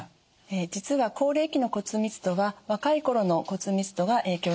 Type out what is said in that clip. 実は高齢期の骨密度は若い頃の骨密度が影響しています。